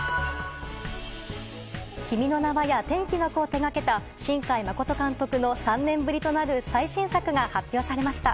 「君の名は。」や「天気の子」を手掛けた新海誠監督の３年ぶりとなる最新作が発表されました。